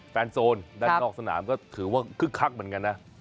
โซนด้านนอกสนามก็ถือว่าคึกคักเหมือนกันนะ